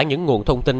những nguồn thông tin